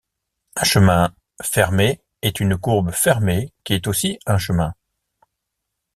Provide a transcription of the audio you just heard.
Un chemin fermé est une courbe fermée qui est aussi un chemin.